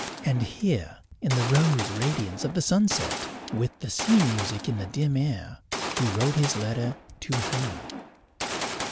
And here, in the rose radiance of the sunset, with the sea music in the dim air, he wrote his letter to her.